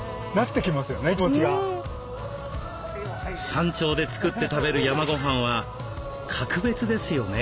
山頂で作って食べる山ごはんは格別ですよね。